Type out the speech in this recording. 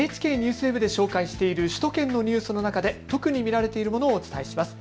ＮＨＫＮＥＷＳＷＥＢで紹介している首都圏のニュースの中で特に見られているものをお伝えします。